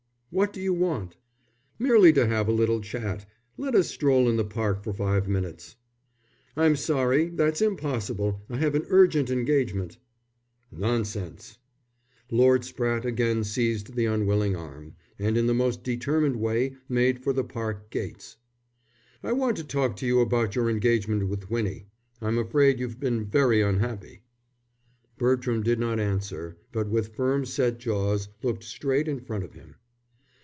"What do you want?" "Merely to have a little chat. Let us stroll in the Park for five minutes." "I'm sorry, that's impossible. I have an urgent engagement." "Nonsense!" Lord Spratte again seized the unwilling arm, and in the most determined way made for the Park gates. "I want to talk to you about your engagement with Winnie. I'm afraid you've been very unhappy." Bertram did not answer, but with firm set jaws looked straight in front of him.